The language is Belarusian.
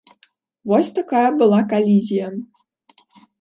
Вось такая была калізія.